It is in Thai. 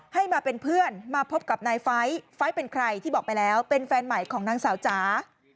ให้มาเป็นเพื่อนมาพบกับนายไฟล์ไฟล์เป็นใครที่บอกไปแล้วเป็นแฟนใหม่ของนางสาวจ๋า